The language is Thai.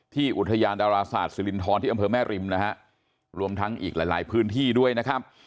อุทยานดาราศาสตร์ศิรินทรที่อำเภอแม่ริมนะฮะรวมทั้งอีกหลายหลายพื้นที่ด้วยนะครับ